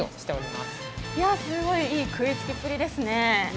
すごくいい食いつきっぷりですね。